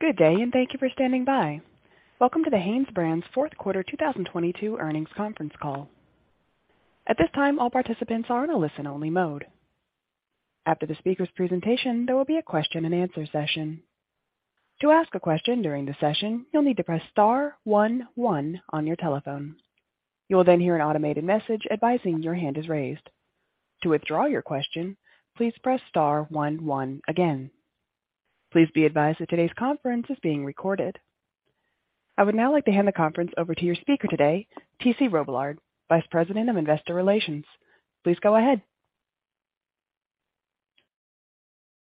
Good day. Thank you for standing by. Welcome to the HanesBrands' fourth quarter 2022 earnings conference call. At this time, all participants are in a listen-only mode. After the speaker's presentation, there will be a question-and-answer session. To ask a question during the session, you'll need to press star 1 1 on your telephone. You will then hear an automated message advising your hand is raised. To withdraw your question, please press star 1 1 again. Please be advised that today's conference is being recorded. I would now like to hand the conference over to your speaker today, T.C. Robillard, Vice President of Investor Relations. Please go ahead.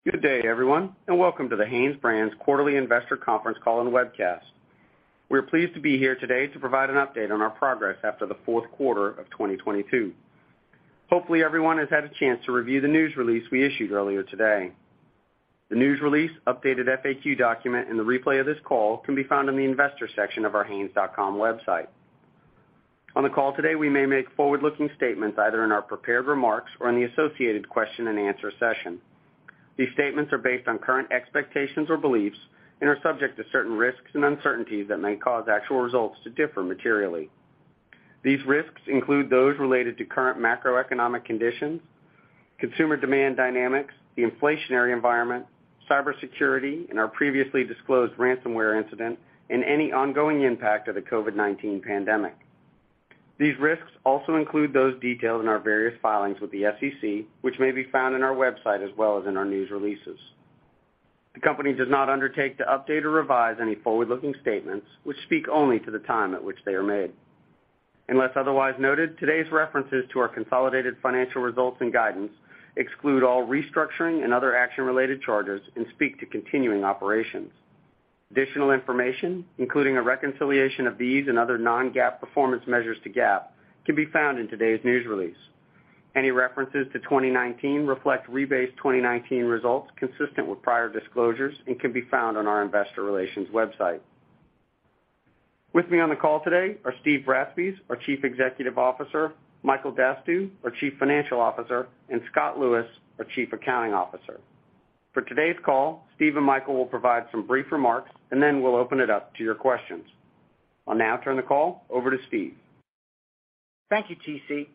Good day, everyone, and welcome to the HanesBrands quarterly investor conference call and webcast. We're pleased to be here today to provide an update on our progress after the fourth quarter of 2022. Hopefully, everyone has had a chance to review the news release we issued earlier today. The news release, updated FAQ document, and the replay of this call can be found in the investor section of our hanes.com website. On the call today, we may make forward-looking statements either in our prepared remarks or in the associated question-and-answer session. These statements are based on current expectations or beliefs and are subject to certain risks and uncertainties that may cause actual results to differ materially. These risks include those related to current macroeconomic conditions, consumer demand dynamics, the inflationary environment, cybersecurity, and our previously disclosed ransomware incident, and any ongoing impact of the COVID-19 pandemic. These risks also include those detailed in our various filings with the SEC, which may be found on our website as well as in our news releases. The company does not undertake to update or revise any forward-looking statements which speak only to the time at which they are made. Unless otherwise noted, today's references to our consolidated financial results and guidance exclude all restructuring and other action-related charges and speak to continuing operations. Additional information, including a reconciliation of these and other non-GAAP performance measures to GAAP, can be found in today's news release. Any references to 2019 reflect rebased 2019 results consistent with prior disclosures and can be found on our investor relations website. With me on the call today are Steve Bratspies, our Chief Executive Officer; Michael Dastugue, our Chief Financial Officer; and Scott Lewis, our Chief Accounting Officer. For today's call, Steve and Michael will provide some brief remarks, and then we'll open it up to your questions. I'll now turn the call over to Steve. Thank you, T.C.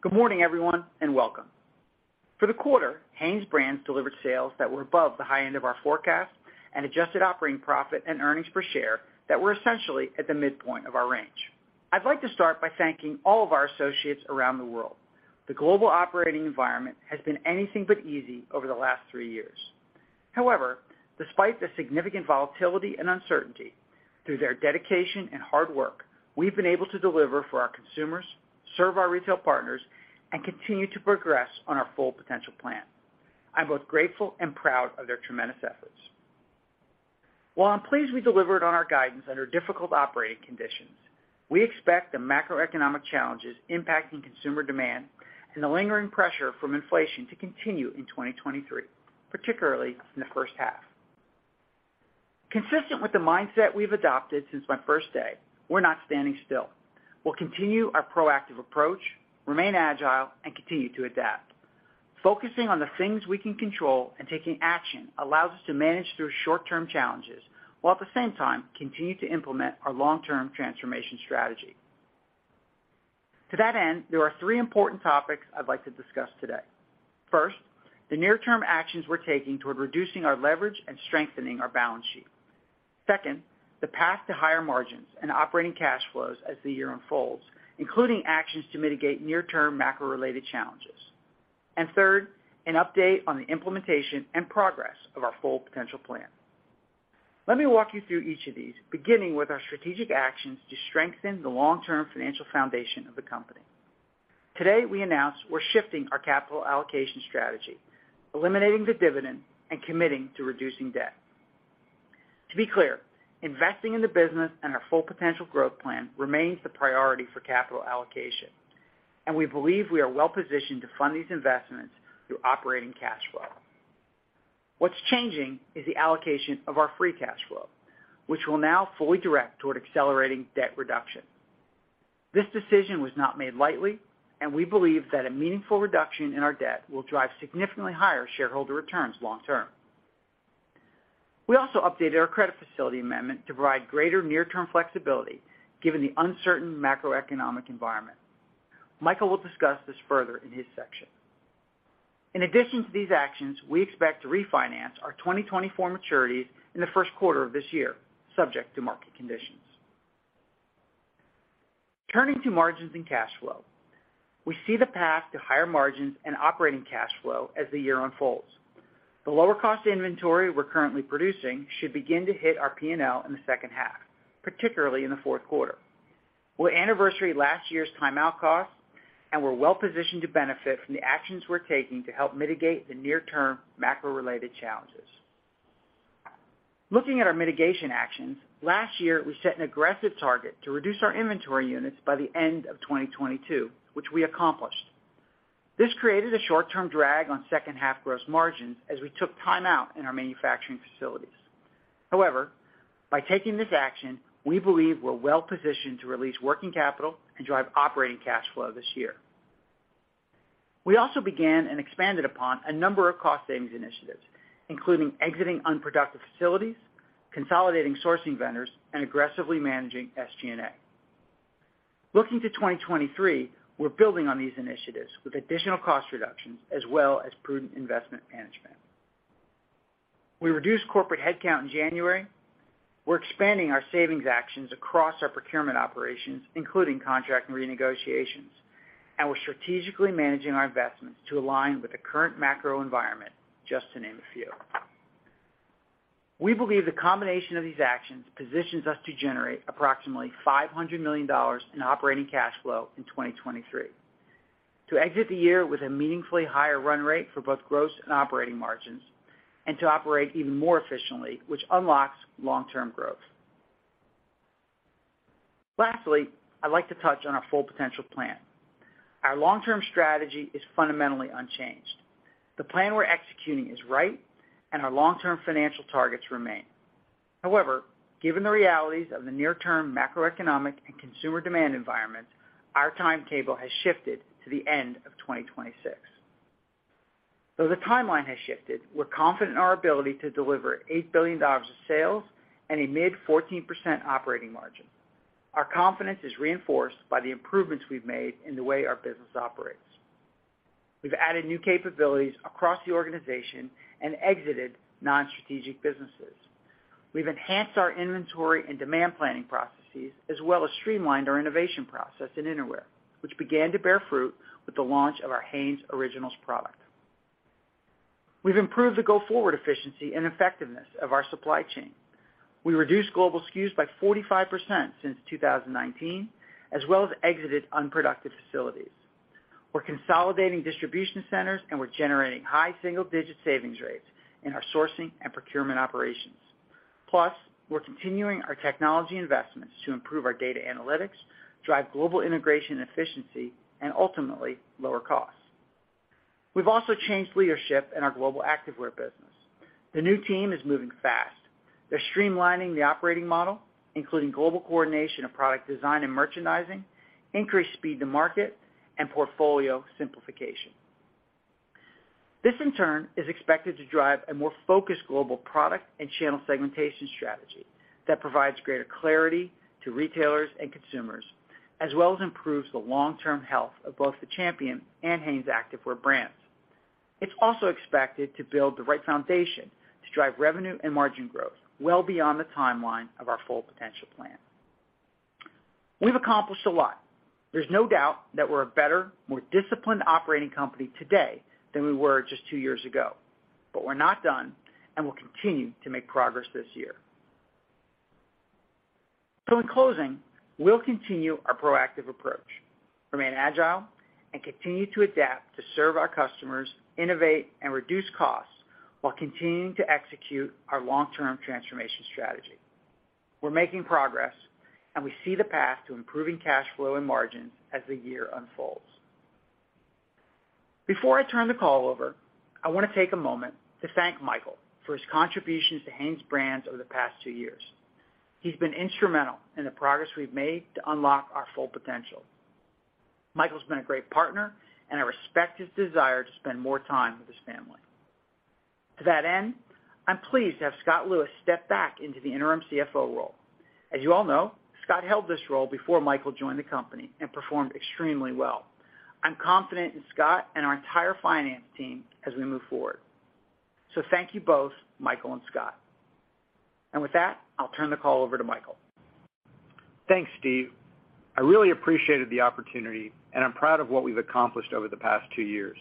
Good morning, everyone. Welcome. For the quarter, HanesBrands delivered sales that were above the high end of our forecast and adjusted operating profit and earnings per share that were essentially at the midpoint of our range. I'd like to start by thanking all of our associates around the world. The global operating environment has been anything but easy over the last 3 years. However, despite the significant volatility and uncertainty, through their dedication and hard work, we've been able to deliver for our consumers, serve our retail partners, and continue to progress on our Full Potential plan. I'm both grateful and proud of their tremendous efforts. While I'm pleased we delivered on our guidance under difficult operating conditions, we expect the macroeconomic challenges impacting consumer demand and the lingering pressure from inflation to continue in 2023, particularly in the first half. Consistent with the mindset we've adopted since my first day, we're not standing still. We'll continue our proactive approach, remain agile, and continue to adapt. Focusing on the things we can control and taking action allows us to manage through short-term challenges while at the same time continue to implement our long-term transformation strategy. To that end, there are 3 important topics I'd like to discuss today. First, the near-term actions we're taking toward reducing our leverage and strengthening our balance sheet. Second, the path to higher margins and operating cash flows as the year unfolds, including actions to mitigate near-term macro-related challenges. Third, an update on the implementation and progress of our Full Potential plan. Let me walk you through each of these, beginning with our strategic actions to strengthen the long-term financial foundation of the company. Today, we announced we're shifting our capital allocation strategy, eliminating the dividend, and committing to reducing debt. To be clear, investing in the business and our Full Potential growth plan remains the priority for capital allocation, and we believe we are well positioned to fund these investments through operating cash flow. What's changing is the allocation of our free cash flow, which we'll now fully direct toward accelerating debt reduction. This decision was not made lightly, and we believe that a meaningful reduction in our debt will drive significantly higher shareholder returns long term. We also updated our credit facility amendment to provide greater near-term flexibility given the uncertain macroeconomic environment. Michael will discuss this further in his section. In addition to these actions, we expect to refinance our 2024 maturities in the first quarter of this year, subject to market conditions. Turning to margins and cash flow. We see the path to higher margins and operating cash flow as the year unfolds. The lower cost inventory we're currently producing should begin to hit our P&L in the second half, particularly in the fourth quarter. We'll anniversary last year's timeout costs. We're well positioned to benefit from the actions we're taking to help mitigate the near-term macro-related challenges. Looking at our mitigation actions, last year, we set an aggressive target to reduce our inventory units by the end of 2022, which we accomplished. This created a short-term drag on second-half gross margins as we took time out in our manufacturing facilities. By taking this action, we believe we're well positioned to release working capital and drive operating cash flow this year. We also began and expanded upon a number of cost savings initiatives, including exiting unproductive facilities, consolidating sourcing vendors, and aggressively managing SG&A. Looking to 2023, we're building on these initiatives with additional cost reductions as well as prudent investment management. We reduced corporate headcount in January. We're expanding our savings actions across our procurement operations, including contract renegotiations. We're strategically managing our investments to align with the current macro environment, just to name a few. We believe the combination of these actions positions us to generate approximately $500 million in operating cash flow in 2023, to exit the year with a meaningfully higher run rate for both gross and operating margins, and to operate even more efficiently, which unlocks long-term growth. Lastly, I'd like to touch on our Full Potential plan. Our long-term strategy is fundamentally unchanged. The plan we're executing is right. Our long-term financial targets remain. Given the realities of the near-term macroeconomic and consumer demand environment, our timetable has shifted to the end of 2026. The timeline has shifted, we're confident in our ability to deliver $8 billion of sales and a mid 14% operating margin. Our confidence is reinforced by the improvements we've made in the way our business operates. We've added new capabilities across the organization and exited non-strategic businesses. We've enhanced our inventory and demand planning processes, as well as streamlined our innovation process in Innerwear, which began to bear fruit with the launch of our Hanes Originals product. We've improved the go-forward efficiency and effectiveness of our supply chain. We reduced global SKUs by 45% since 2019, as well as exited unproductive facilities. We're consolidating distribution centers, we're generating high single-digit savings rates in our sourcing and procurement operations. We're continuing our technology investments to improve our data analytics, drive global integration efficiency, and ultimately lower costs. We've also changed leadership in our global activewear business. The new team is moving fast. They're streamlining the operating model, including global coordination of product design and merchandising, increased speed to market, and portfolio simplification. This, in turn, is expected to drive a more focused global product and channel segmentation strategy that provides greater clarity to retailers and consumers, as well as improves the long-term health of both the Champion and Hanes Activewear brands. It's also expected to build the right foundation to drive revenue and margin growth well beyond the timeline of our Full Potential plan. We've accomplished a lot. There's no doubt that we're a better, more disciplined operating company today than we were just two years ago. We're not done, and we'll continue to make progress this year. In closing, we'll continue our proactive approach, remain agile, and continue to adapt to serve our customers, innovate, and reduce costs while continuing to execute our long-term transformation strategy. We're making progress, and we see the path to improving cash flow and margins as the year unfolds. Before I turn the call over, I want to take a moment to thank Michael for his contributions to HanesBrands over the past two years. He's been instrumental in the progress we've made to unlock our Full Potential. Michael's been a great partner, and I respect his desire to spend more time with his family. To that end, I'm pleased to have Scott Lewis step back into the interim CFO role. As you all know, Scott held this role before Michael joined the company and performed extremely well. I'm confident in Scott and our entire finance team as we move forward. Thank you both, Michael and Scott. With that, I'll turn the call over to Michael. Thanks, Steve. I really appreciated the opportunity, I'm proud of what we've accomplished over the past two years.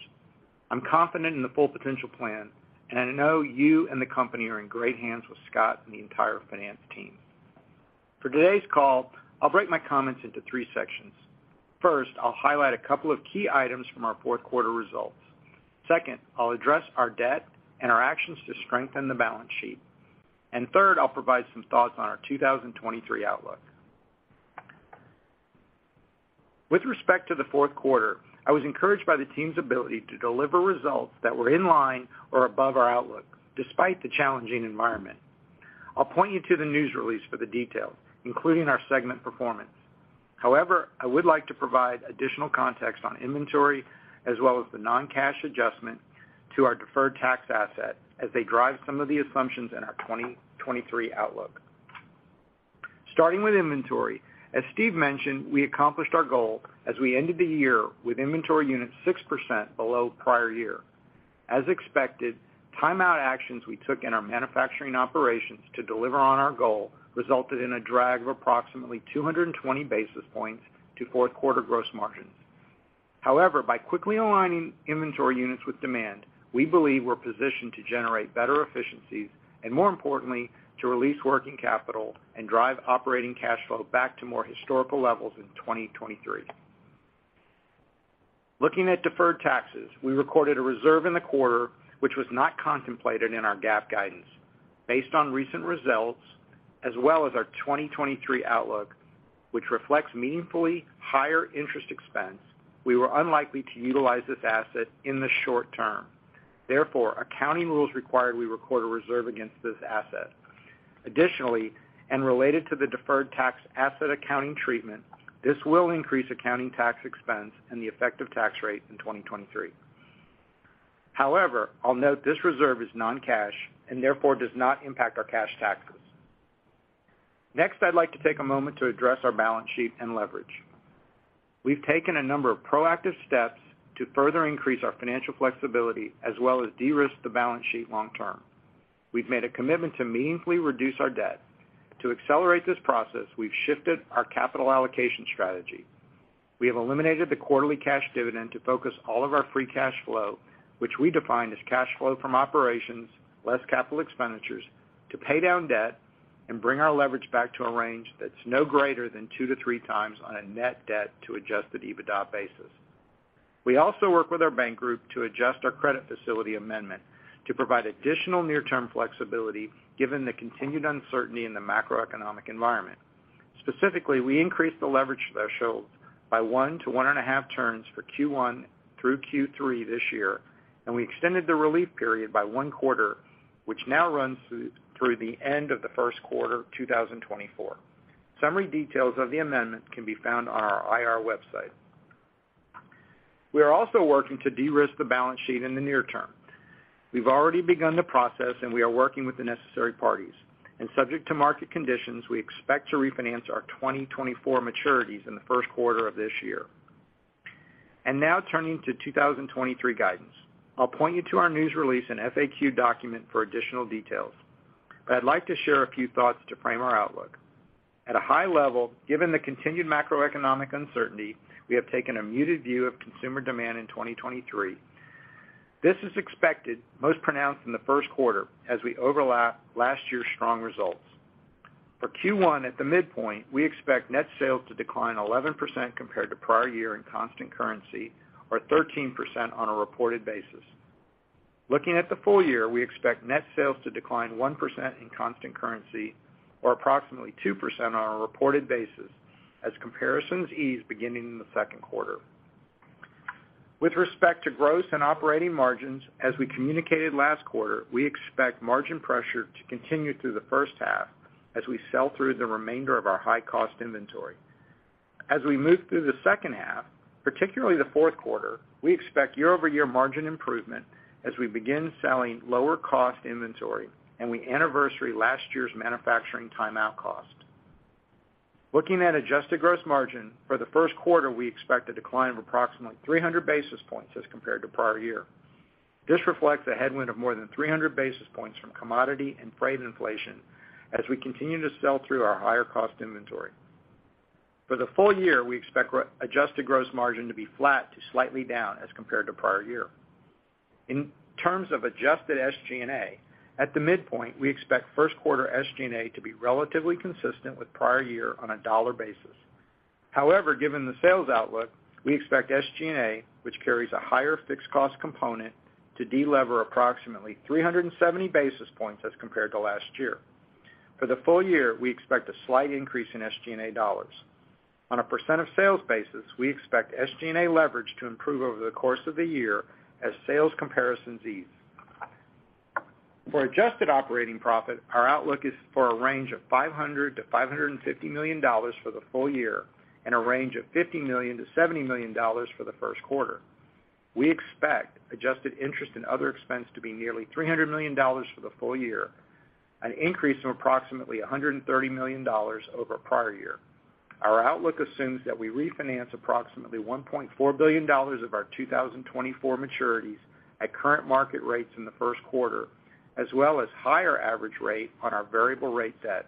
I'm confident in the Full Potential plan, I know you and the company are in great hands with Scott and the entire finance team. For today's call, I'll break my comments into three sections. First, I'll highlight a couple of key items from our fourth quarter results. Second, I'll address our debt and our actions to strengthen the balance sheet. Third, I'll provide some thoughts on our 2023 outlook. With respect to the fourth quarter, I was encouraged by the team's ability to deliver results that were in line or above our outlook, despite the challenging environment. I'll point you to the news release for the details, including our segment performance. However, I would like to provide additional context on inventory as well as the non-cash adjustment to our deferred tax asset as they drive some of the assumptions in our 2023 outlook. Starting with inventory, as Steve mentioned, we accomplished our goal as we ended the year with inventory units 6% below prior year. As expected, timeout actions we took in our manufacturing operations to deliver on our goal resulted in a drag of approximately 220 basis points to fourth quarter gross margins. However, by quickly aligning inventory units with demand, we believe we're positioned to generate better efficiencies and, more importantly, to release working capital and drive operating cash flow back to more historical levels in 2023. Looking at deferred taxes, we recorded a reserve in the quarter, which was not contemplated in our GAAP guidance. Based on recent results as well as our 2023 outlook, which reflects meaningfully higher interest expense, we were unlikely to utilize this asset in the short term. Accounting rules require we record a reserve against this asset. Related to the deferred tax asset accounting treatment, this will increase accounting tax expense and the effective tax rate in 2023. I'll note this reserve is non-cash and therefore does not impact our cash taxes. I'd like to take a moment to address our balance sheet and leverage. We've taken a number of proactive steps to further increase our financial flexibility as well as de-risk the balance sheet long term. We've made a commitment to meaningfully reduce our debt. To accelerate this process, we've shifted our capital allocation strategy. We have eliminated the quarterly cash dividend to focus all of our free cash flow, which we define as cash flow from operations less capital expenditures, to pay down debt and bring our leverage back to a range that's no greater than 2-3 times on a net debt to adjusted EBITDA basis. We also work with our bank group to adjust our credit facility amendment to provide additional near-term flexibility given the continued uncertainty in the macroeconomic environment. Specifically, we increased the leverage thresholds by 1-1.5 turns for Q1 through Q3 this year, and we extended the relief period by 1 quarter, which now runs through the end of the first quarter 2024. Summary details of the amendment can be found on our IR website. We are also working to de-risk the balance sheet in the near term. We've already begun the process, and we are working with the necessary parties. Subject to market conditions, we expect to refinance our 2024 maturities in the first quarter of this year. Now turning to 2023 guidance. I'll point you to our news release and FAQ document for additional details. I'd like to share a few thoughts to frame our outlook. At a high level, given the continued macroeconomic uncertainty, we have taken a muted view of consumer demand in 2023. This is expected most pronounced in the first quarter as we overlap last year's strong results. For Q1 at the midpoint, we expect net sales to decline 11% compared to prior year in constant currency or 13% on a reported basis. Looking at the full year, we expect net sales to decline 1% in constant currency or approximately 2% on a reported basis as comparisons ease beginning in the second quarter. With respect to gross and operating margins, as we communicated last quarter, we expect margin pressure to continue through the first half as we sell through the remainder of our high-cost inventory. As we move through the second half, particularly the fourth quarter, we expect year-over-year margin improvement as we begin selling lower-cost inventory and we anniversary last year's manufacturing timeout cost. Looking at adjusted gross margin, for the first quarter, we expect a decline of approximately 300 basis points as compared to prior year. This reflects a headwind of more than 300 basis points from commodity and freight inflation as we continue to sell through our higher cost inventory. For the full year, we expect adjusted gross margin to be flat to slightly down as compared to prior year. In terms of adjusted SG&A, at the midpoint, we expect first quarter SG&A to be relatively consistent with prior year on a dollar basis. However, given the sales outlook, we expect SG&A, which carries a higher fixed cost component, to delever approximately 370 basis points as compared to last year. For the full year, we expect a slight increase in SG&A dollars. On a percent of sales basis, we expect SG&A leverage to improve over the course of the year as sales comparisons ease. For adjusted operating profit, our outlook is for a range of $500 million-$550 million for the full year and a range of $50 million-$70 million for the first quarter. We expect adjusted interest and other expense to be nearly $300 million for the full year, an increase of approximately $130 million over prior year. Our outlook assumes that we refinance approximately $1.4 billion of our 2024 maturities at current market rates in the first quarter, as well as higher average rate on our variable rate debt.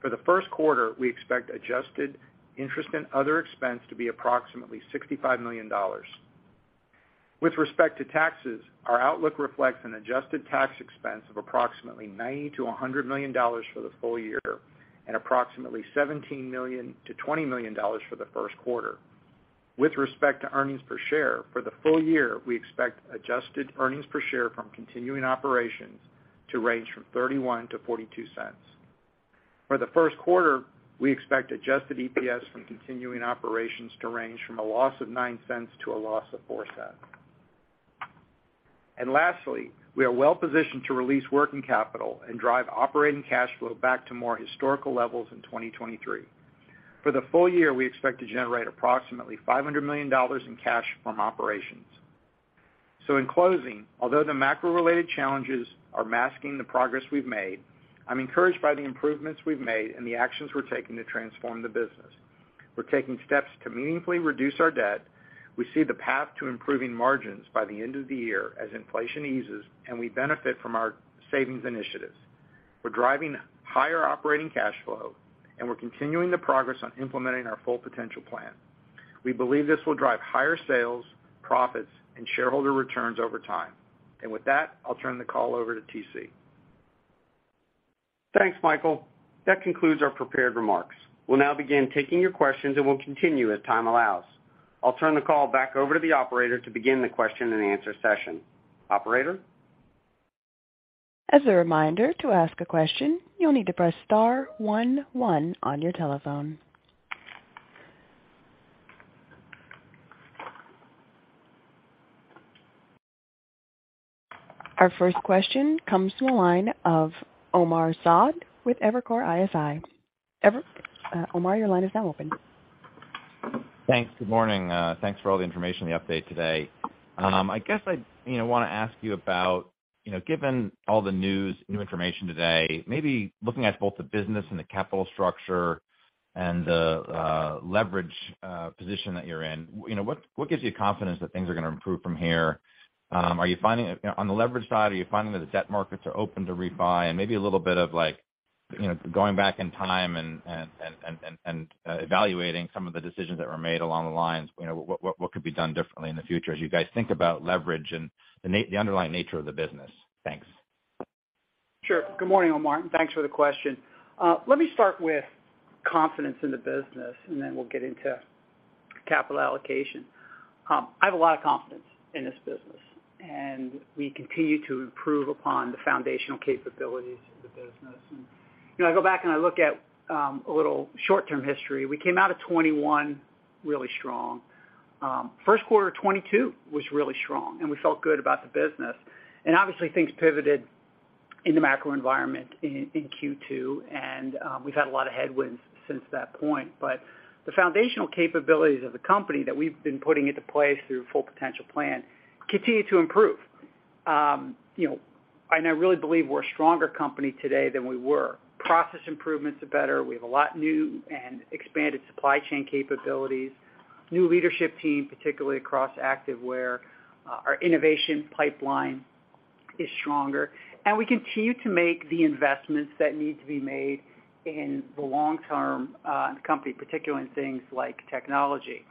For the first quarter, we expect adjusted interest and other expense to be approximately $65 million. With respect to taxes, our outlook reflects an adjusted tax expense of approximately $90 million-$100 million for the full year and approximately $17 million-$20 million for the first quarter. With respect to earnings per share, for the full year, we expect adjusted earnings per share from continuing operations to range from $0.31-$0.42. For the first quarter, we expect adjusted EPS from continuing operations to range from a loss of $0.09 to a loss of $0.04. Lastly, we are well positioned to release working capital and drive operating cash flow back to more historical levels in 2023. For the full year, we expect to generate approximately $500 million in cash from operations. In closing, although the macro-related challenges are masking the progress we've made, I'm encouraged by the improvements we've made and the actions we're taking to transform the business. We're taking steps to meaningfully reduce our debt. We see the path to improving margins by the end of the year as inflation eases and we benefit from our savings initiatives. We're driving higher operating cash flow, and we're continuing the progress on implementing our Full Potential plan. We believe this will drive higher sales, profits, and shareholder returns over time. With that, I'll turn the call over to T.C. Thanks, Michael. That concludes our prepared remarks. We'll now begin taking your questions and we'll continue as time allows. I'll turn the call back over to the operator to begin the question and answer session. Operator? As a reminder, to ask a question, you'll need to press star one one on your telephone. Our first question comes from the line of Omar Saad with Evercore ISI. Omar, your line is now open. Thanks. Good morning. Thanks for all the information in the update today. I guess I, you know, wanna ask you about, you know, given all the news, new information today, maybe looking at both the business and the capital structure and the leverage position that you're in, you know, what gives you confidence that things are gonna improve from here? Are you finding... You know, on the leverage side, are you finding that the debt markets are open to refi? Maybe a little bit of, like, you know, going back in time and evaluating some of the decisions that were made along the lines. You know, what, what could be done differently in the future as you guys think about leverage and the underlying nature of the business? Thanks. Sure. Good morning, Omar, and thanks for the question. Let me start with confidence in the business, then we'll get into capital allocation. I have a lot of confidence in this business, and we continue to improve upon the foundational capabilities of the business. You know, I go back and I look at a little short-term history. We came out of 2021 really strong. First quarter of 2022 was really strong, and we felt good about the business. Obviously, things pivoted in the macro environment in Q2, and we've had a lot of headwinds since that point. The foundational capabilities of the company that we've been putting into place through Full Potential plan continue to improve. You know, I really believe we're a stronger company today than we were. Process improvements are better. We have a lot new and expanded supply chain capabilities. New leadership team, particularly across Activewear. Our innovation pipeline is stronger. We continue to make the investments that need to be made in the long term, in the company, particularly in things like technology.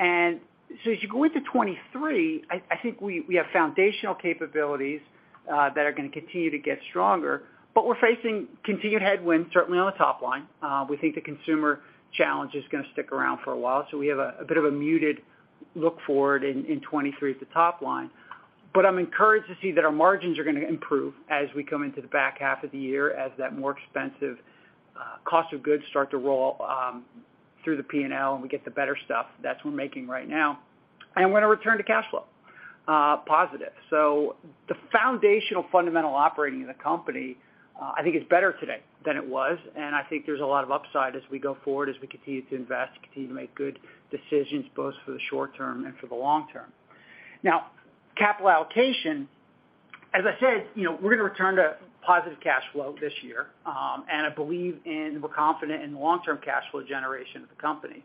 As you go into 2023, I think we have foundational capabilities that are gonna continue to get stronger, but we're facing continued headwinds, certainly on the top line. We think the consumer challenge is gonna stick around for a while, so we have a bit of a muted look forward in 2023 at the top line. I'm encouraged to see that our margins are gonna improve as we come into the back half of the year as that more expensive cost of goods start to roll through the P&L, and we get to better stuff that we're making right now. We're gonna return to cashflow positive. The foundational fundamental operating of the company, I think is better today than it was, and I think there's a lot of upside as we go forward, as we continue to invest, continue to make good decisions, both for the short term and for the long term. Now, capital allocation, as I said, you know, we're gonna return to positive cash flow this year, and I believe, and we're confident in the long-term cash flow generation of the company.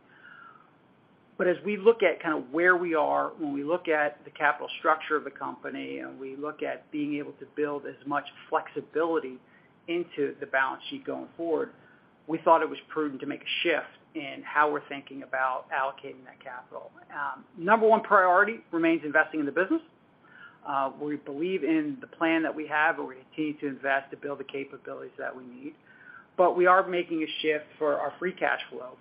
As we look at kinda where we are, when we look at the capital structure of the company and we look at being able to build as much flexibility into the balance sheet going forward, we thought it was prudent to make a shift in how we're thinking about allocating that capital. Number one priority remains investing in the business. We believe in the plan that we have, and we continue to invest to build the capabilities that we need. We are making a shift for our free cash flow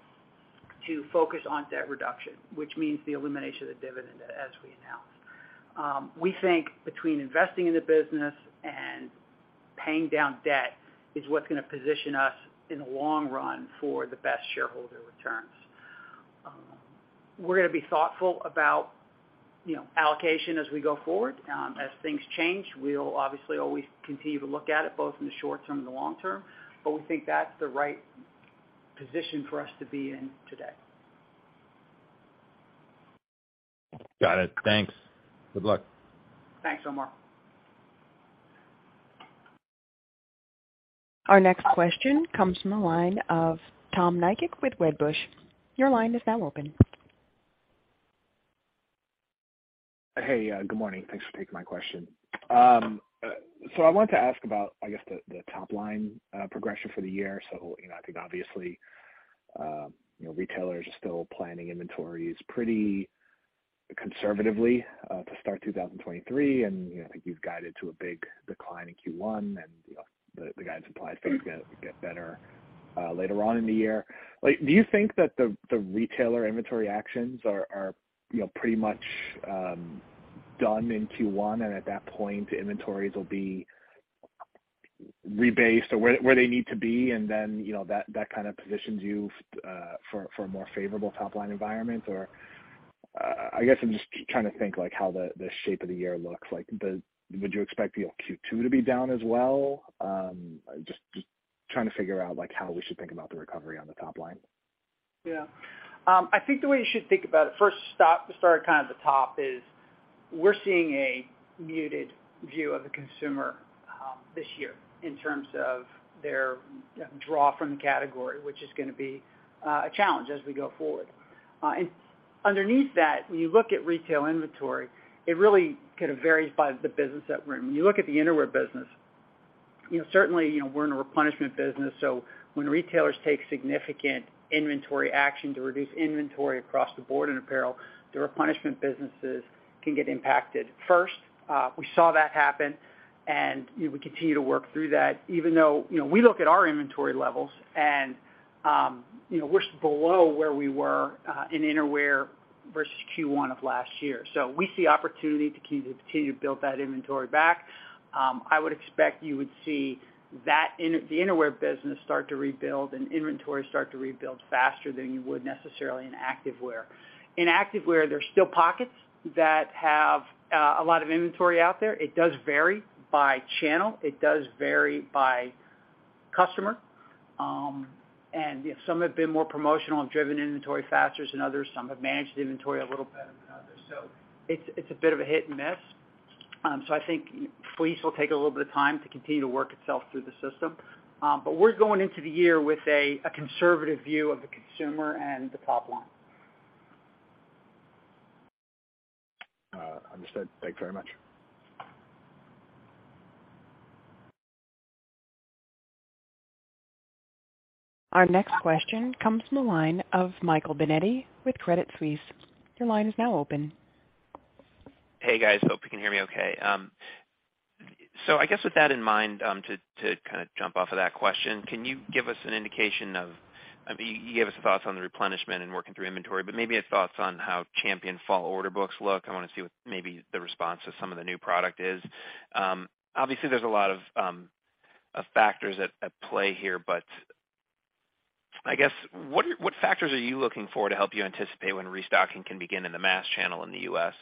to focus on debt reduction, which means the elimination of the dividend, as we announced. We think between investing in the business and paying down debt is what's gonna position us in the long run for the best shareholder returns. We're gonna be thoughtful about, you know, allocation as we go forward. As things change, we'll obviously always continue to look at it, both in the short term and the long term, but we think that's the right position for us to be in today. Got it. Thanks. Good luck. Thanks, Omar. Our next question comes from the line of Tom Nikic with Wedbush. Your line is now open. Hey, good morning. Thanks for taking my question. I wanted to ask about, I guess, the top-line progression for the year. You know, I think obviously, you know, retailers are still planning inventories pretty conservatively to start 2023. You know, I think you've guided to a big decline in Q1, and, you know, the guide supplies things get better later on in the year. Like, do you think that the retailer inventory actions are, you know, pretty much done in Q1, and at that point inventories will be rebased or where they need to be, and then, you know, that kinda positions you for a more favorable top-line environment? I guess I'm just trying to think, like, how the shape of the year looks like. Would you expect the Q2 to be down as well? Just trying to figure out, like, how we should think about the recovery on the top line. Yeah. I think the way you should think about it, first stop to start kind of at the top is we're seeing a muted view of the consumer, this year in terms of their draw from the category, which is gonna be a challenge as we go forward. Underneath that, when you look at retail inventory, it really kind of varies by the business that we're in. When you look at the Innerwear business, you know, certainly, you know, we're in a replenishment business, when retailers take significant inventory action to reduce inventory across the board in apparel, the replenishment businesses can get impacted first. We saw that happen, and, you know, we continue to work through that, even though, you know, we look at our inventory levels and, you know, we're below where we were in Innerwear versus Q1 of last year. We see opportunity to continue to build that inventory back. I would expect you would see that the Innerwear business start to rebuild and inventory start to rebuild faster than you would necessarily in Activewear. In Activewear, there's still pockets that have a lot of inventory out there. It does vary by channel. It does vary by customer. And, you know, some have been more promotional and driven inventory faster than others. Some have managed inventory a little better than others. It's, it's a bit of a hit and miss. I think fleece will take a little bit of time to continue to work itself through the system. We're going into the year with a conservative view of the consumer and the top line. understood. Thanks very much. Our next question comes from the line of Michael Binetti with Credit Suisse. Your line is now open. Hey, guys. Hope you can hear me okay. I guess with that in mind, to kind of jump off of that question, can you give us an indication of, I mean, you gave us thoughts on the replenishment and working through inventory, but maybe thoughts on how Champion fall order books look. I wanna see what maybe the response to some of the new product is. Obviously, there's a lot of factors at play here, but I guess what factors are you looking for to help you anticipate when restocking can begin in the mass channel in the U.S.?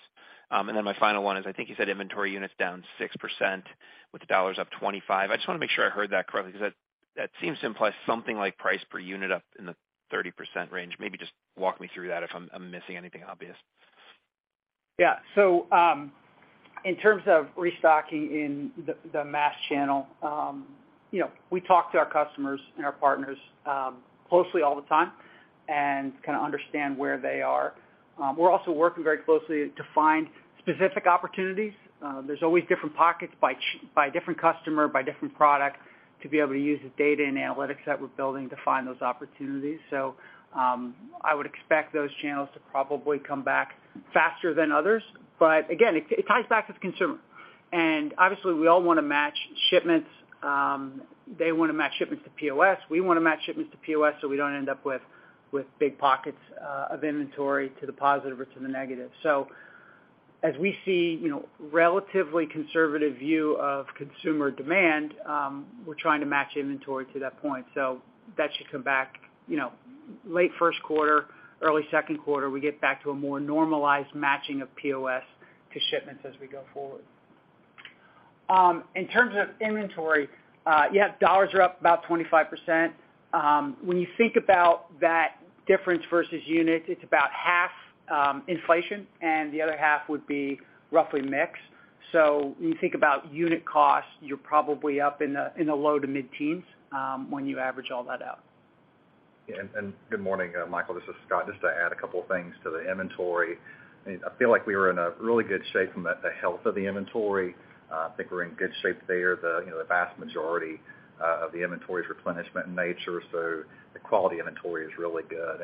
My final one is, I think you said inventory units down 6% with dollars up 25%. I just wanna make sure I heard that correctly because that seems to imply something like price per unit up in the 30% range. Maybe just walk me through that if I'm missing anything obvious. In terms of restocking in the mass channel, you know, we talk to our customers and our partners closely all the time and kinda understand where they are. We're also working very closely to find specific opportunities. There's always different pockets by different customer, by different product, to be able to use the data and analytics that we're building to find those opportunities. I would expect those channels to probably come back faster than others. Again, it ties back to the consumer. Obviously, we all wanna match shipments. They wanna match shipments to POS. We wanna match shipments to POS, so we don't end up with big pockets of inventory to the positive or to the negative. As we see, you know, relatively conservative view of consumer demand, we're trying to match inventory to that point. That should come back, you know, late first quarter, early second quarter, we get back to a more normalized matching of POS to shipments as we go forward. In terms of inventory, yeah, dollars are up about 25%. When you think about that difference versus units, it's about half inflation, and the other half would be roughly mix. When you think about unit cost, you're probably up in the low-to-mid teens, when you average all that out. Yeah. Good morning, Michael. This is Scott. Just to add a couple things to the inventory. I mean, I feel like we are in a really good shape from the health of the inventory. I think we're in good shape there. The, you know, the vast majority of the inventory is replenishment in nature, so the quality inventory is really good.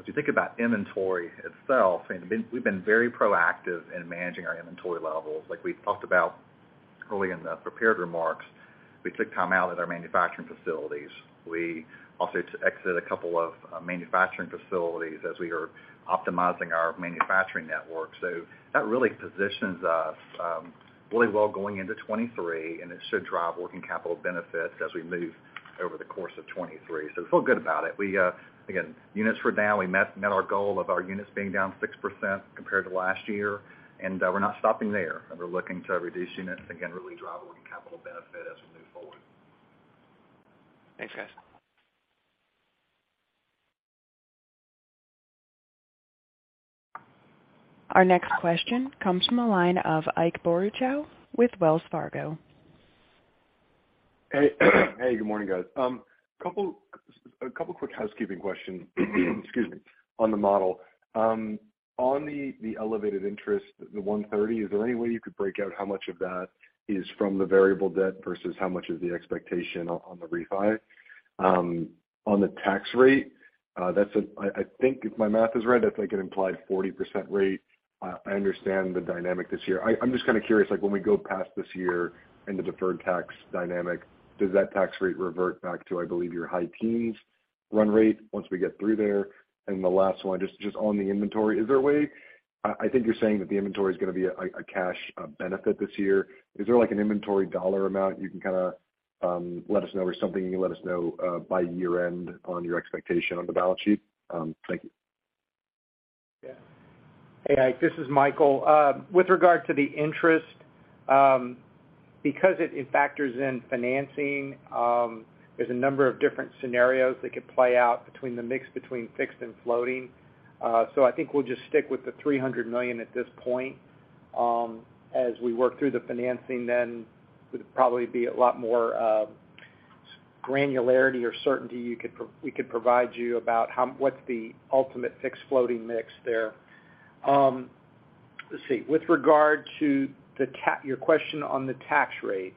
If you think about inventory itself, I mean, we've been very proactive in managing our inventory levels. Like we talked about early in the prepared remarks, we took time out at our manufacturing facilities. We also had to exit a couple of manufacturing facilities as we are optimizing our manufacturing network. That really positions us really well going into 2023, and it should drive working capital benefits as we move over the course of 2023. We feel good about it. We, again, units were down. We met our goal of our units being down 6% compared to last year, and, we're not stopping there. We're looking to reduce units, again, really drive working capital benefit as we move forward. Thanks, guys. Our next question comes from the line of Ike Boruchow with Wells Fargo. Hey, good morning, guys. couple quick housekeeping questions, excuse me, on the model. on the elevated interest, the $130, is there any way you could break out how much of that is from the variable debt versus how much is the expectation on the refi? on the tax rate, that's I think if my math is right, that's like an implied 40% rate. I understand the dynamic this year. I'm just kinda curious, like when we go past this year and the deferred tax dynamic, does that tax rate revert back to, I believe, your high teens run rate once we get through there? The last one, just on the inventory, is there a way? I think you're saying that the inventory is gonna be a cash benefit this year. Is there like an inventory dollar amount you can kinda, let us know or something you can let us know, by year end on your expectation on the balance sheet? Thank you. Hey, Ike, this is Michael. With regard to the interest, because it factors in financing, there's a number of different scenarios that could play out between the mix between fixed and floating. I think we'll just stick with the $300 million at this point. As we work through the financing, would probably be a lot more granularity or certainty we could provide you about what's the ultimate fixed floating mix there. Let's see. With regard to your question on the tax rate,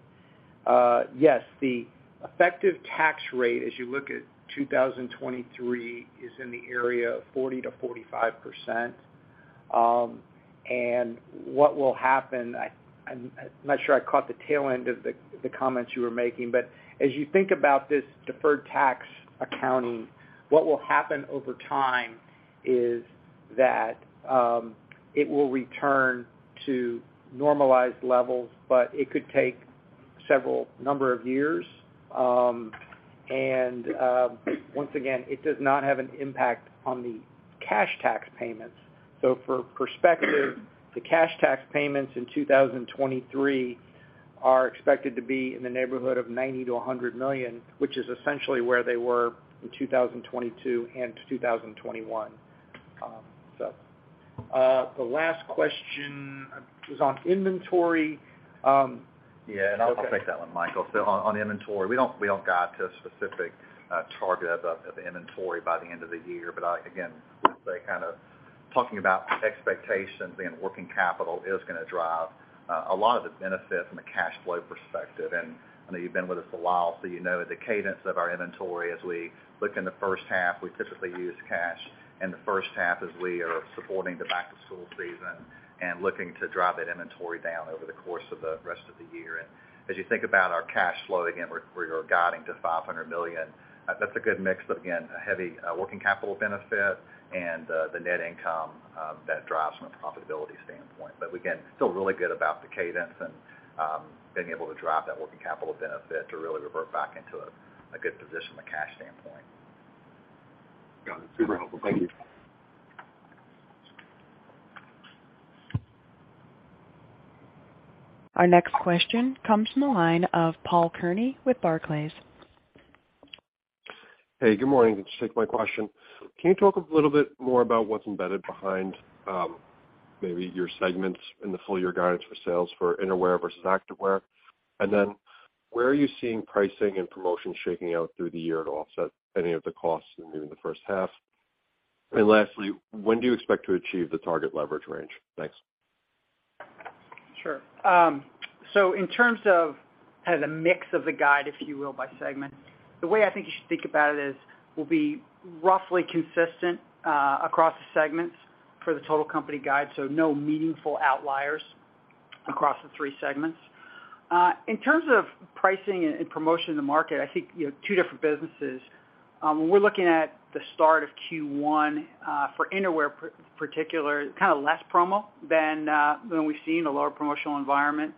yes, the effective tax rate as you look at 2023 is in the area of 40%-45%. What will happen, I'm, I'm not sure I caught the tail end of the comments you were making, but as you think about this deferred tax accounting. What will happen over time is that, it will return to normalized levels, but it could take several number of years. Once again, it does not have an impact on the cash tax payments. For perspective, the cash tax payments in 2023 are expected to be in the neighborhood of $90 million-$100 million, which is essentially where they were in 2022 and 2021. The last question is on inventory. I'll take that one, Michael. On inventory, we don't guide to a specific target of the inventory by the end of the year. I, again, I'd say kind of talking about expectations and working capital is gonna drive a lot of the benefit from a cash flow perspective. I know you've been with us a while, so you know the cadence of our inventory. As we look in the first half, we typically use cash in the first half as we are supporting the back to school season and looking to drive that inventory down over the course of the rest of the year. As you think about our cash flow, again, we're guiding to $500 million. That's a good mix. Again, a heavy, working capital benefit and, the net income, that drives from a profitability standpoint. Again, feel really good about the cadence and, being able to drive that working capital benefit to really revert back into a good position from a cash standpoint. Got it. Super helpful. Thank you. Our next question comes from the line of Paul Kearney with Barclays. Hey, good morning. Thanks for taking my question. Can you talk a little bit more about what's embedded behind, maybe your segments in the full year guidance for sales for Innerwear versus Activewear? Then where are you seeing pricing and promotion shaking out through the year to offset any of the costs in maybe the first half? Lastly, when do you expect to achieve the target leverage range? Thanks. Sure. In terms of kind of the mix of the guide, if you will, by segment, the way I think you should think about it is we'll be roughly consistent across the segments for the total company guide, so no meaningful outliers across the three segments. In terms of pricing and promotion in the market, I think, you know, two different businesses. When we're looking at the start of Q1, for Innerwear particular, kind of less promo than we've seen, a lower promotional environment.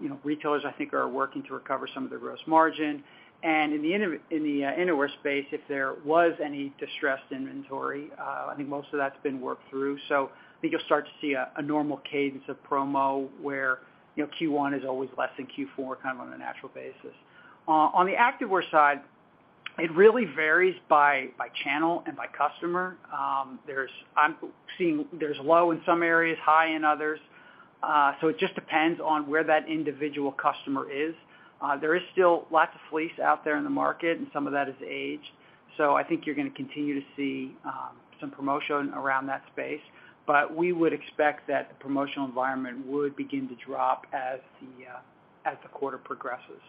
You know, retailers, I think, are working to recover some of their gross margin. In the Innerwear space, if there was any distressed inventory, I think most of that's been worked through. I think you'll start to see a normal cadence of promo where, you know, Q1 is always less than Q4, kind of on a natural basis. On the activewear side, it really varies by channel and by customer. I'm seeing there's low in some areas, high in others. It just depends on where that individual customer is. There is still lots of fleece out there in the market, and some of that is aged. I think you're gonna continue to see some promotion around that space. We would expect that the promotional environment would begin to drop as the quarter progresses. ...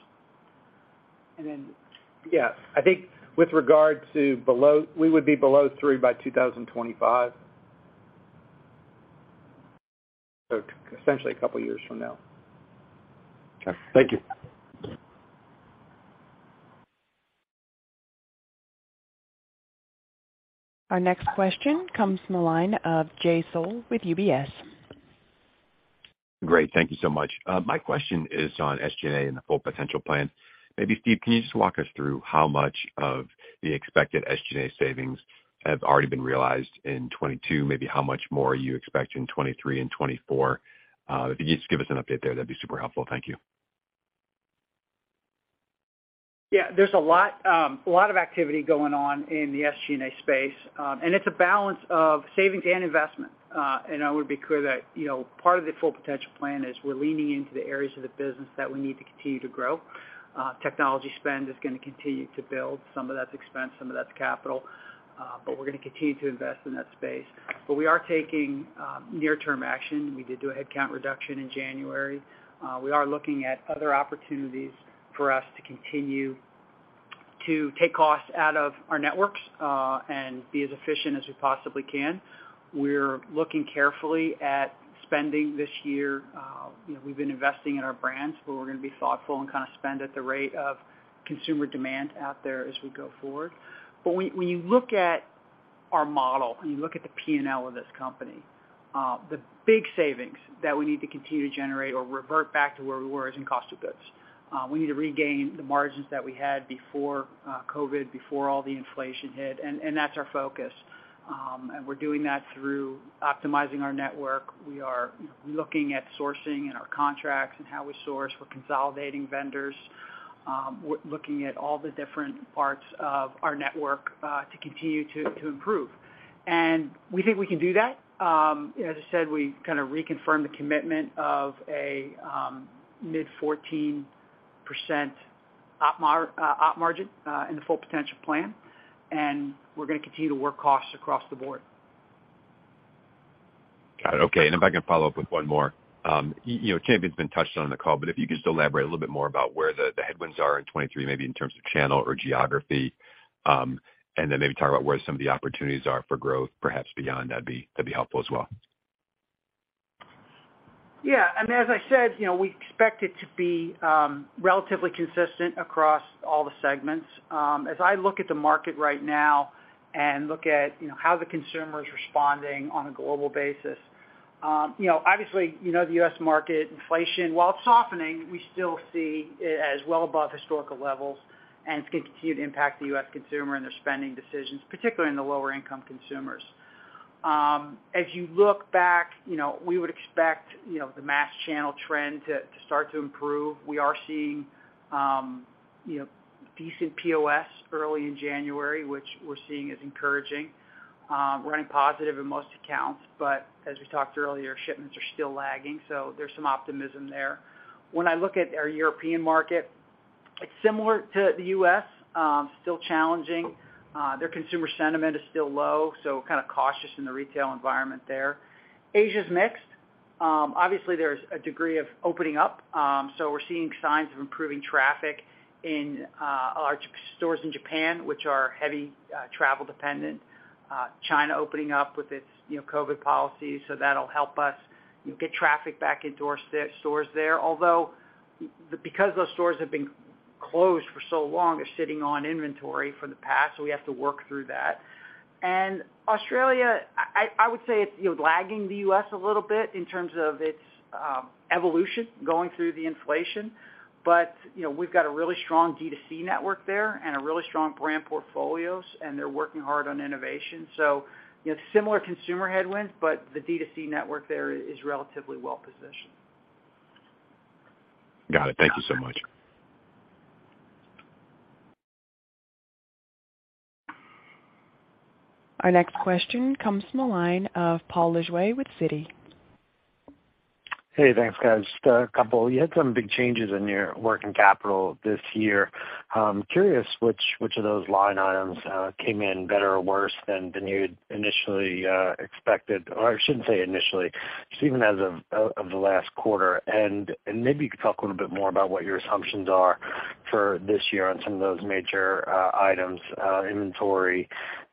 Yeah. I think with regard to below, we would be below 3 by 2025. Essentially 2 years from now. Okay. Thank you. Our next question comes from the line of Jay Sole with UBS. Great. Thank you so much. My question is on SG&A and the Full Potential plan. Maybe Steve, can you just walk us through how much of the expected SG&A savings have already been realized in 2022? Maybe how much more are you expecting 2023 and 2024? If you could just give us an update there, that'd be super helpful. Thank you. Yeah. There's a lot, a lot of activity going on in the SG&A space. It's a balance of savings and investment. I would be clear that, you know, part of the Full Potential plan is we're leaning into the areas of the business that we need to continue to grow. Technology spend is gonna continue to build. Some of that's expense, some of that's capital. We're gonna continue to invest in that space. We are taking near term action. We did do a headcount reduction in January. We are looking at other opportunities for us to continue to take costs out of our networks and be as efficient as we possibly can. We're looking carefully at spending this year. You know, we've been investing in our brands, but we're gonna be thoughtful and kinda spend at the rate of consumer demand out there as we go forward. When you look at our model and you look at the P&L of this company, the big savings that we need to continue to generate or revert back to where we were is in cost of goods. We need to regain the margins that we had before COVID, before all the inflation hit, and that's our focus. We're doing that through optimizing our network. We are looking at sourcing and our contracts and how we source. We're consolidating vendors. We're looking at all the different parts of our network to continue to improve. We think we can do that. As I said, we kind of reconfirmed the commitment of a, mid 14% op margin, in the Full Potential plan, and we're gonna continue to work costs across the board. Got it. Okay. If I can follow up with one more. You know Champion's been touched on in the call, but if you could just elaborate a little bit more about where the headwinds are in 23, maybe in terms of channel or geography, and then maybe talk about where some of the opportunities are for growth perhaps beyond, that'd be helpful as well. Yeah. I mean, as I said, you know, we expect it to be relatively consistent across all the segments. As I look at the market right now and look at, you know, how the consumer is responding on a global basis, you know, obviously, you know the U.S. market inflation, while it's softening, we still see as well above historical levels, and it's going to continue to impact the U.S. consumer and their spending decisions, particularly in the lower income consumers. As you look back, you know, we would expect, you know, the mass channel trend to start to improve. We are seeing, you know, decent POS early in January, which we're seeing is encouraging, running positive in most accounts. As we talked earlier, shipments are still lagging, so there's some optimism there. When I look at our European market, it's similar to the U.S., still challenging. Their consumer sentiment is still low, kind of cautious in the retail environment there. Asia is mixed. Obviously there's a degree of opening up, we're seeing signs of improving traffic in our stores in Japan, which are heavy travel dependent. China opening up with its, you know, COVID policies, that'll help us get traffic back into our stores there. Although, because those stores have been closed for so long, they're sitting on inventory for the past, we have to work through that. Australia, I would say it's lagging the U.S. a little bit in terms of its evolution going through the inflation. You know, we've got a really strong D2C network there and a really strong brand portfolios, and they're working hard on innovation. Similar consumer headwinds, but the D2C network there is relatively well positioned. Got it. Thank you so much. Our next question comes from the line of Paul Lejuez with Citi. Hey, thanks, guys. Just a couple. You had some big changes in your working capital this year. Curious which of those line items came in better or worse than you'd initially expected? Or I shouldn't say initially, just even as of the last quarter. Maybe you could talk a little bit more about what your assumptions are for this year on some of those major items, inventory,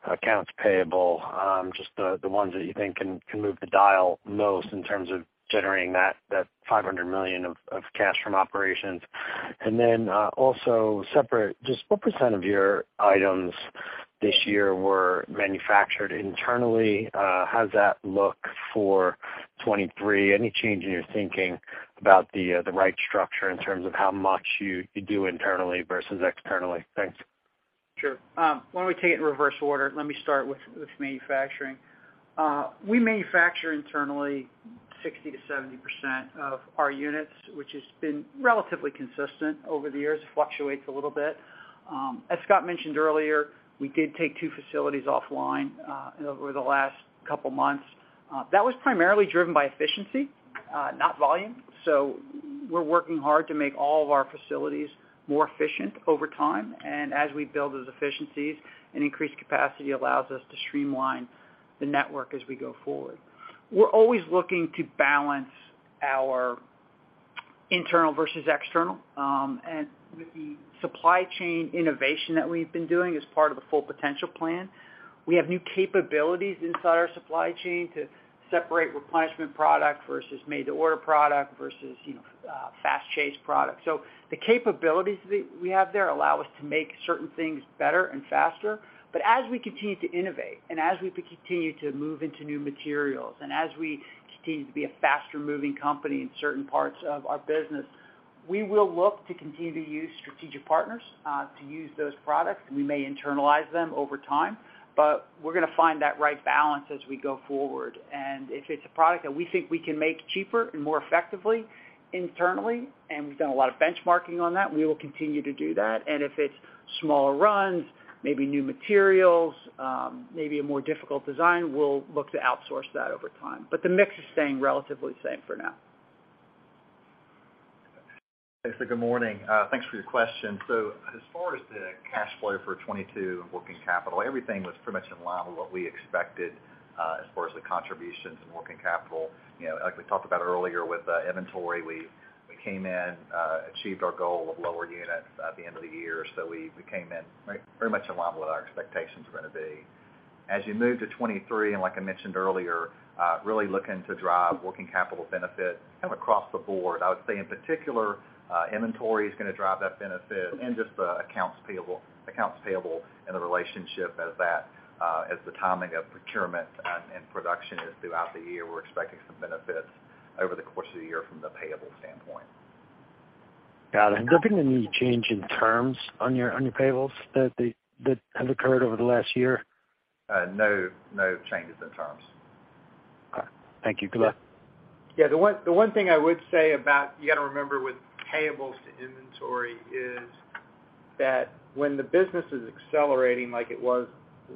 accounts payable, just the ones that you think can move the dial most in terms of generating that $500 million of cash from operations. Then, also separate, just what % of your items this year were manufactured internally? How does that look for 2023? Any change in your thinking about the right structure in terms of how much you do internally versus externally? Thanks. Sure. why don't we take it in reverse order? Let me start with manufacturing. We manufacture internally 60%-70% of our units, which has been relatively consistent over the years. It fluctuates a little bit. As Scott mentioned earlier, we did take 2 facilities offline over the last couple months. That was primarily driven by efficiency, not volume. We're working hard to make all of our facilities more efficient over time. As we build those efficiencies and increase capacity allows us to streamline the network as we go forward. We're always looking to balance our internal versus external, with the supply chain innovation that we've been doing as part of the Full Potential plan, we have new capabilities inside our supply chain to separate replenishment product versus made to order product versus, you know, fast chase product. The capabilities that we have there allow us to make certain things better and faster. As we continue to innovate and as we continue to move into new materials and as we continue to be a faster moving company in certain parts of our business, we will look to continue to use strategic partners, to use those products, and we may internalize them over time. We're gonna find that right balance as we go forward. If it's a product that we think we can make cheaper and more effectively internally, and we've done a lot of benchmarking on that, we will continue to do that. If it's smaller runs, maybe new materials, maybe a more difficult design, we'll look to outsource that over time. The mix is staying relatively the same for now. Good morning. Thanks for your question. As far as the cash flow for 2022 working capital, everything was pretty much in line with what we expected, as far as the contributions in working capital. You know, like we talked about earlier with the inventory, we came in, achieved our goal of lower units at the end of the year. We came in very much in line with what our expectations were gonna be. As you move to 2023, like I mentioned earlier, really looking to drive working capital benefit kind of across the board. I would say in particular, inventory is gonna drive that benefit and just the accounts payable and the relationship as that, as the timing of procurement and production is throughout the year. We're expecting some benefits over the course of the year from the payable standpoint. Got it. There been any change in terms on your, on your payables that has occurred over the last year? No, no changes in terms. Okay. Thank you. Good luck. Yeah. The one thing I would say, you got to remember with payables to inventory is that when the business is accelerating like it was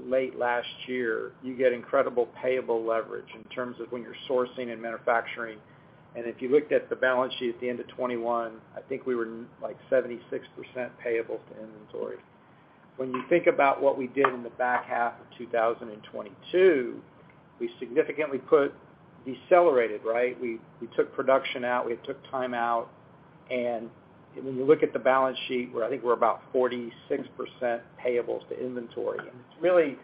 late last year, you get incredible payable leverage in terms of when you're sourcing and manufacturing. If you looked at the balance sheet at the end of 2021, I think we were like 76% payable to inventory. When you think about what we did in the back half of 2022, we significantly decelerated, right? We took production out, we took time out. When you look at the balance sheet, where I think we're about 46% payables to inventory, and it's really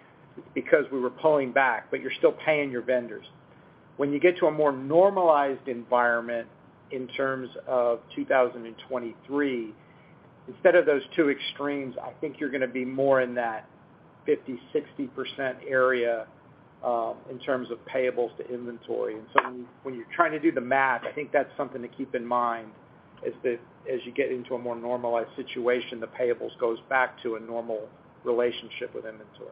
because we were pulling back, but you're still paying your vendors. When you get to a more normalized environment in terms of 2023, instead of those two extremes, I think you're gonna be more in that 50%, 60% area, in terms of payables to inventory. When you're trying to do the math, I think that's something to keep in mind is that as you get into a more normalized situation, the payables goes back to a normal relationship with inventory.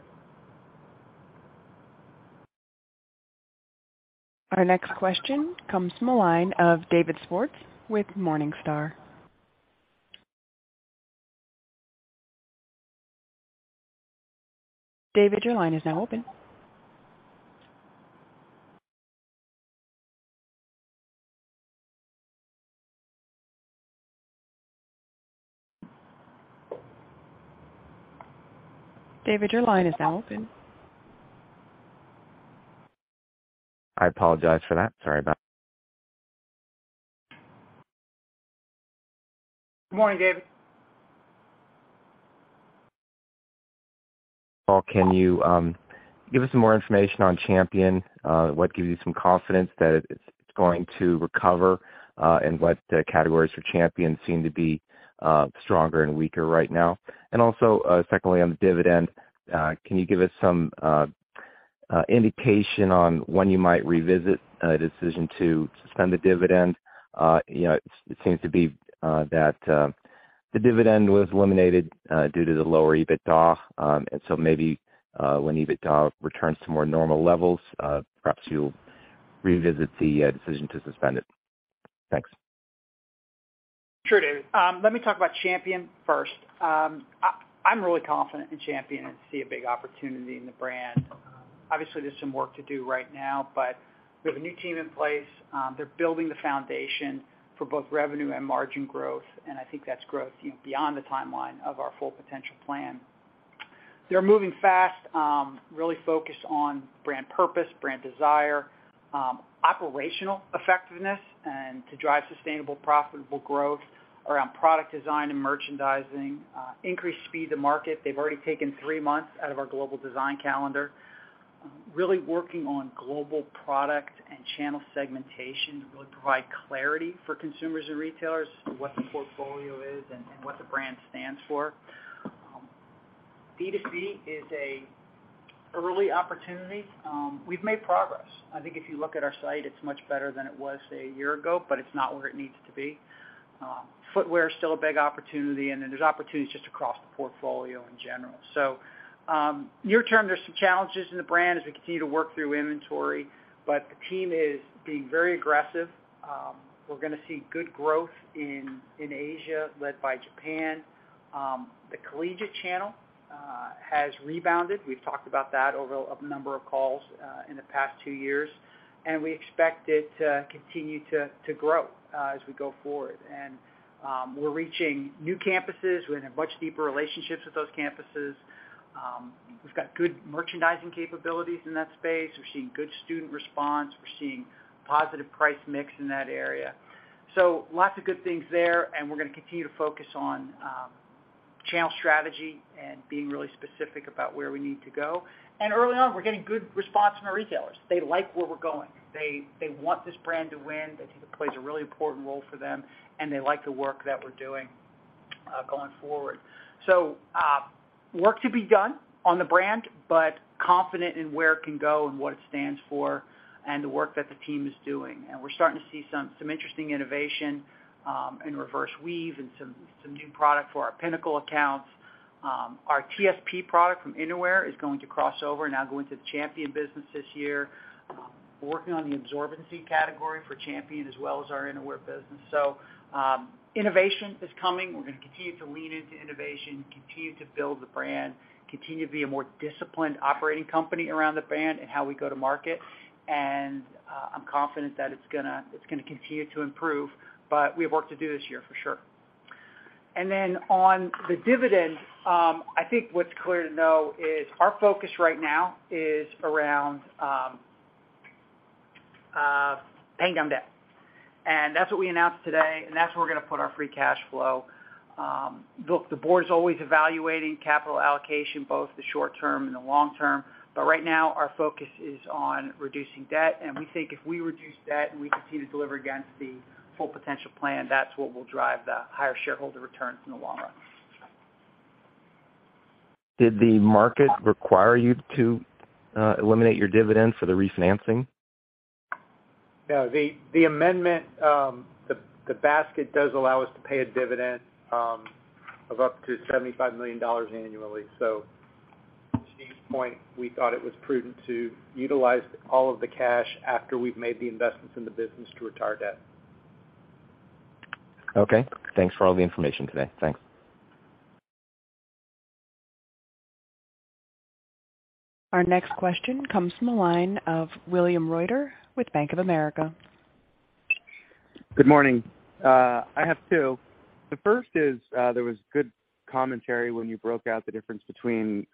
Our next question comes from the line of David Swartz with Morningstar. David, your line is now open. I apologize for that. Sorry about... Good morning, David. Paul, can you give us some more information on Champion? What gives you some confidence that it's going to recover, and what categories for Champion seem to be stronger and weaker right now? Secondly, on the dividend, can you give us some indication on when you might revisit a decision to suspend the dividend? You know, it seems to be that the dividend was eliminated due to the lower EBITDA. Maybe when EBITDA returns to more normal levels, perhaps you'll revisit the decision to suspend it. Thanks. Sure, David. Let me talk about Champion first. I'm really confident in Champion and see a big opportunity in the brand. Obviously, there's some work to do right now, but we have a new team in place. They're building the foundation for both revenue and margin growth, and I think that's growth beyond the timeline of our Full Potential plan. They're moving fast, really focused on brand purpose, brand desire, operational effectiveness, and to drive sustainable, profitable growth around product design and merchandising, increase speed to market. They've already taken three months out of our global design calendar. Really working on global product and channel segmentation to really provide clarity for consumers and retailers on what the portfolio is and what the brand stands for. B2C is a early opportunity. We've made progress. I think if you look at our site, it's much better than it was, say, a year ago, but it's not where it needs to be. Footwear is still a big opportunity, and then there's opportunities just across the portfolio in general. Near term, there's some challenges in the brand as we continue to work through inventory, but the team is being very aggressive. We're gonna see good growth in Asia, led by Japan. The collegiate channel has rebounded. We've talked about that over a number of calls, in the past 2 years, and we expect it to continue to grow, as we go forward. We're reaching new campuses. We're gonna have much deeper relationships with those campuses. We've got good merchandising capabilities in that space. We're seeing good student response. We're seeing positive price mix in that area. Lots of good things there, and we're gonna continue to focus on channel strategy and being really specific about where we need to go. Early on, we're getting good response from our retailers. They like where we're going. They want this brand to win. They think it plays a really important role for them, and they like the work that we're doing going forward. Work to be done on the brand, but confident in where it can go and what it stands for and the work that the team is doing. We're starting to see some interesting innovation in Reverse Weave and some new product for our pinnacle accounts. Our TSP product from Innerwear is going to cross over, now go into the Champion business this year. We're working on the absorbency category for Champion as well as our Innerwear business. Innovation is coming. We're gonna continue to lean into innovation, continue to build the brand, continue to be a more disciplined operating company around the brand and how we go to market. I'm confident that it's gonna continue to improve, but we have work to do this year for sure. Then on the dividend, I think what's clear to know is our focus right now is around paying down debt. That's what we announced today, and that's where we're gonna put our free cash flow. Look, the board's always evaluating capital allocation, both the short term and the long term. Right now our focus is on reducing debt, and we think if we reduce debt and we continue to deliver against the Full Potential plan, that's what will drive the higher shareholder returns in the long run. Did the market require you to eliminate your dividends for the refinancing? No. The amendment, the basket does allow us to pay a dividend, of up to $75 million annually. To Steve's point, we thought it was prudent to utilize all of the cash after we've made the investments in the business to retire debt. Okay. Thanks for all the information today. Thanks. Our next question comes from the line of William Reuter with Bank of America. Good morning. I have two. The first is, there was good commentary when you broke out the difference between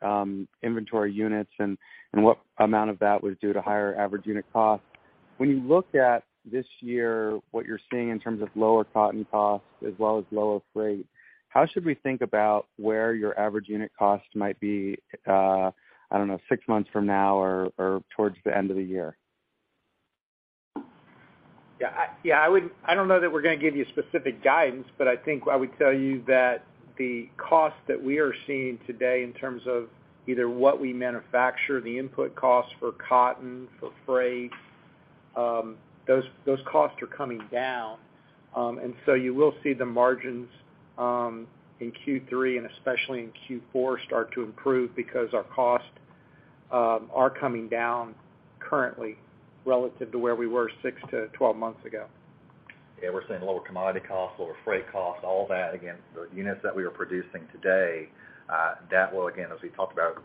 inventory units and what amount of that was due to higher average unit costs. When you looked at this year, what you're seeing in terms of lower cotton costs as well as lower freight, how should we think about where your average unit cost might be, I don't know, six months from now or towards the end of the year? Yeah, I don't know that we're gonna give you specific guidance, but I think I would tell you that the costs that we are seeing today in terms of either what we manufacture, the input costs for cotton, for freight, those costs are coming down. You will see the margins in Q3, and especially in Q4, start to improve because our costs are coming down currently relative to where we were six to 12 months ago. Yeah, we're seeing lower commodity costs, lower freight costs, all that. Again, the units that we are producing today, that will, again, as we talked about,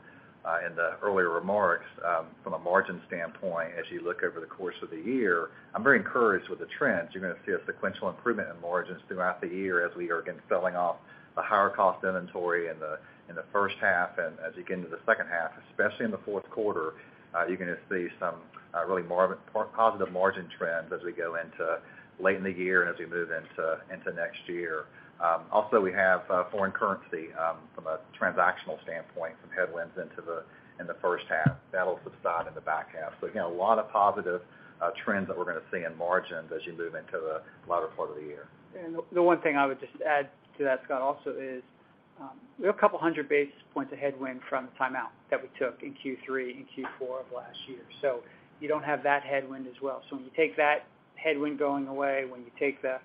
in the earlier remarks, from a margin standpoint, as you look over the course of the year, I'm very encouraged with the trends. You're gonna see a sequential improvement in margins throughout the year as we are, again, selling off the higher cost inventory in the first half. As you get into the second half, especially in the fourth quarter, you're gonna see some really positive margin trends as we go into late in the year and as we move into next year. Also we have foreign currency from a transactional standpoint, some headwinds in the first half. That'll subside in the back half. Again, a lot of positive trends that we're gonna see in margins as you move into the latter part of the year. The one thing I would just add to that, Scott, also is, we have a couple hundred basis points of headwind from the timeout that we took in Q3 and Q4 of last year. You don't have that headwind as well. When you take that headwind going away, when you take the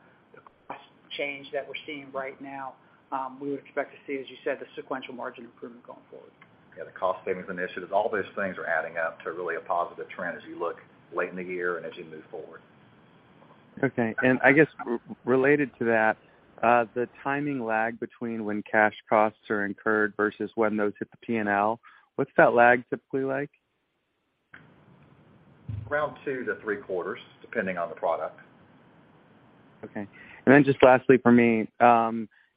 cost change that we're seeing right now, we would expect to see, as you said, the sequential margin improvement going forward. The cost savings initiatives, all those things are adding up to really a positive trend as you look late in the year and as you move forward. Okay. I guess related to that, the timing lag between when cash costs are incurred versus when those hit the P&L, what's that lag typically like? Around two to three quarters, depending on the product. Okay. Lastly for me,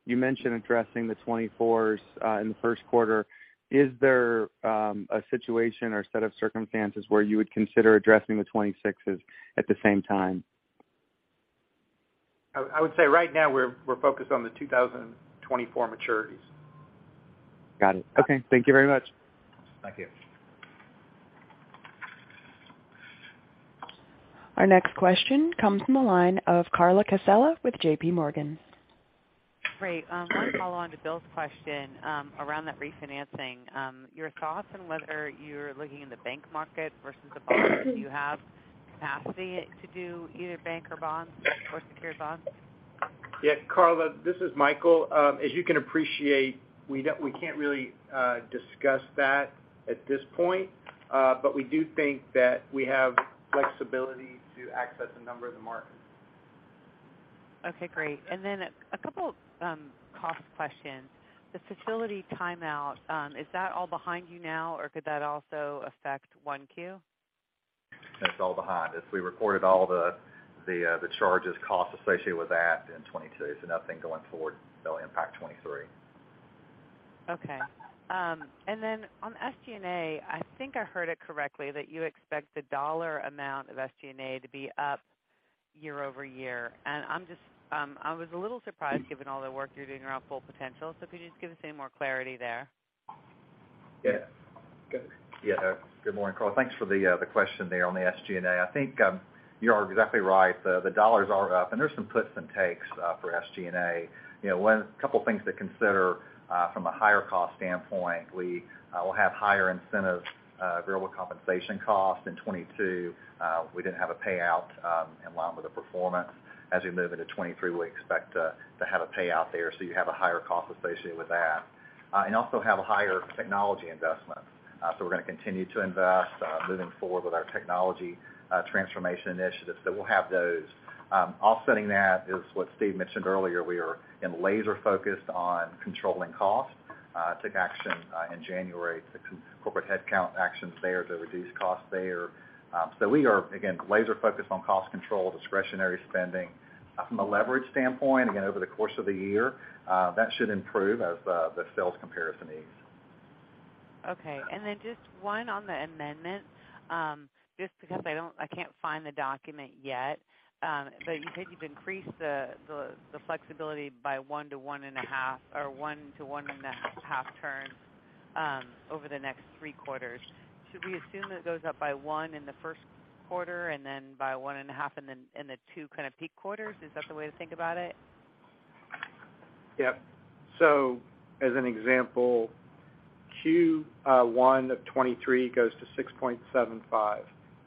you mentioned addressing the 2024s in the first quarter. Is there a situation or a set of circumstances where you would consider addressing the 2026s at the same time? I would say right now we're focused on the 2024 maturities. Got it. Okay. Thank you very much. Thank you. Our next question comes from the line of Carla Casella with JPMorgan. Great. One follow-on to Bill's question, around that refinancing. Your thoughts on whether you're looking in the bank market versus the bonds? Do you have capacity to do either bank or bonds or secured bonds? Yeah, Carla, this is Michael. As you can appreciate, we can't really discuss that at this point, but we do think that we have flexibility to access a number of the markets. Okay, great. A couple cost questions. The facility timeout, is that all behind you now, or could that also affect 1Q? It's all behind us. We recorded all the charges costs associated with that in 22. Nothing going forward that'll impact 23. Okay. On SG&A, I think I heard it correctly that you expect the dollar amount of SG&A to be up year-over-year. I'm just, I was a little surprised given all the work you're doing around Full Potential. Could you just give us any more clarity there? Yeah. Go ahead. Yeah. Good morning, Carla. Thanks for the question there on the SG&A. I think you are exactly right. The dollars are up, and there's some puts and takes for SG&A. You know, couple things to consider from a higher cost standpoint. We will have higher incentives, variable compensation costs in 2022. We didn't have a payout in line with the performance. As we move into 2023, we expect to have a payout there, so you have a higher cost associated with that. Also have a higher technology investment. We're gonna continue to invest moving forward with our technology transformation initiatives. We'll have those. Offsetting that is what Steve mentioned earlier, we are, again, laser focused on controlling costs. Took action in January to corporate headcount actions there to reduce costs there. We are, again, laser focused on cost control, discretionary spending. From a leverage standpoint, again, over the course of the year, that should improve as the sales compare to these. Okay, just one on the amendment, just because I can't find the document yet. You said you've increased the flexibility by 1-1.5 or 1-1.5 turn, over the next 3 quarters. Should we assume that it goes up by 1 in the 1st quarter and then by 1.5 in the, in the 2 kind of peak quarters? Is that the way to think about it? Yeah. As an example, Q1 of 2023 goes to $6.75.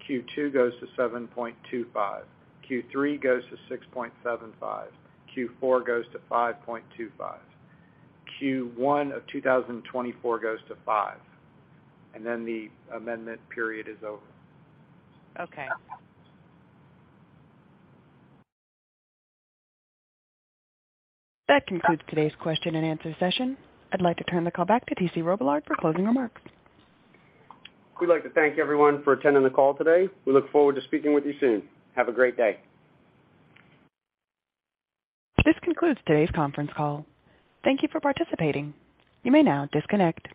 Q2 goes to $7.25. Q3 goes to $6.75. Q4 goes to $5.25. Q1 of 2024 goes to $5, The amendment period is over. Okay. That concludes today's question and answer session. I'd like to turn the call back to T.C. Robillard for closing remarks. We'd like to thank everyone for attending the call today. We look forward to speaking with you soon. Have a great day. This concludes today's conference call. Thank you for participating. You may now disconnect.